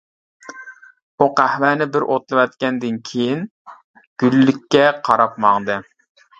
ئۇ قەھۋەنى بىر ئوتلىۋەتكەندىن كېيىن گۈللۈككە قاراپ ماڭدى.